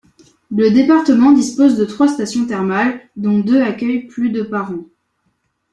Le département dispose de trois stations thermales dont deux accueillent plus de par an.